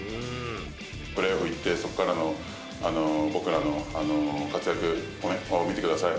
プレーオフ行って、そこからの僕らの活躍、見てください。